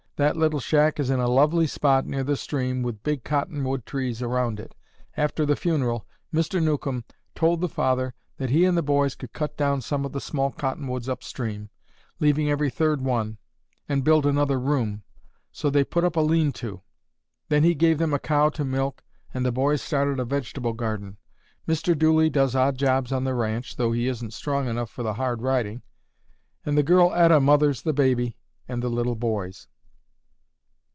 That little shack is in a lovely spot near the stream with big cottonwood trees around it. After the funeral, Mr. Newcomb told the father that he and the boys could cut down some of the small cottonwoods upstream, leaving every third one, and build another room, so they put up a lean to. Then he gave them a cow to milk and the boys started a vegetable garden. Mr. Dooley does odd jobs on the ranch, though he isn't strong enough for hard riding, and the girl Etta mothers the baby and the little boys."